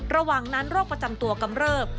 ระหว่างนั้นโรคประจำตัวกำเริบ